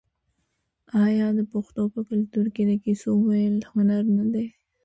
آیا د پښتنو په کلتور کې د کیسو ویل هنر نه دی؟